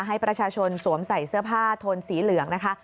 ให้ประชาชนสวมใส่เสื้อผ้าโทนสีเหลืองนะคะ